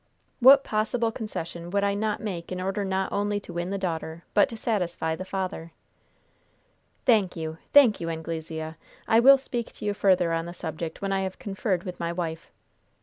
"What possible concession would I not make in order not only to win the daughter, but to satisfy the father?" "Thank you, thank you, Anglesea! I will speak to you further on the subject when I have conferred with my wife.